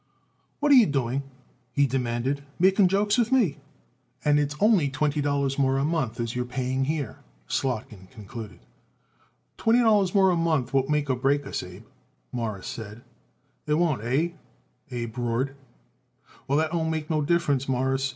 "What are you doing," he demanded, "making jokes with me?" "And it's only twenty dollars more a month as you're paying here," Slotkin concluded. "Twenty dollars a month won't make us or break us, Abe," Morris said. "It won't, hey?" Abe roared. "Well, that don't make no difference, Mawruss.